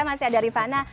masih ada rifana